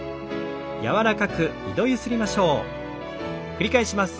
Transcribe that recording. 繰り返します。